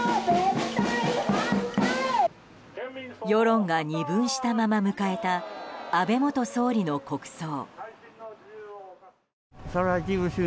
世論が２分したまま迎えた安倍元総理の国葬。